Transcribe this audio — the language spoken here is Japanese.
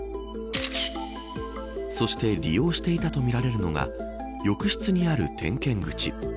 そして利用していたとみられるのが浴室にある点検口。